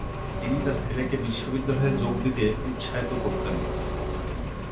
তিনি তার ছেলেকে বিশ্ববিদ্যালয়ে যোগ দিতে উত্সাহিত করতেন।